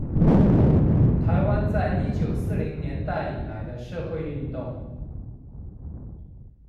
臺灣在一九四零年代以來的社會運動